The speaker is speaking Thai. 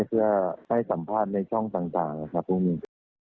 ที่เพื่อให้สัมภาษณ์ในช่องต่างพรุ่งนี้